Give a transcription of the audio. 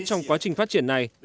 trong quá trình phát triển này